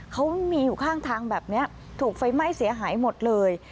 เขามีอยู่ข้างทางแบบนี้ถูกไฟไหม้เสียหายหมดเลย